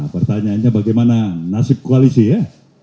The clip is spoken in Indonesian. pertanyaannya bagaimana nasib koalisi ya